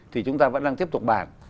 thì chúng ta vẫn đang tiếp tục bàn